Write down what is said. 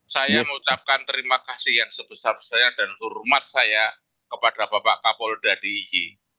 saya mengucapkan terima kasih yang sebesar besaran dan hormat saya kepada bapak kapoludadi iji